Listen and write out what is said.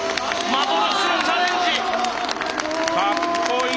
幻のチャレンジ。